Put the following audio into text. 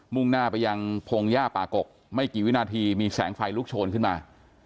่งหน้าไปยังพงหญ้าป่ากกไม่กี่วินาทีมีแสงไฟลุกโชนขึ้นมา